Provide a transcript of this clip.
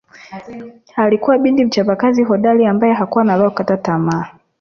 Alikuwa binti mchapakazi hodari ambae hakuwa na roho ya kukata tamaa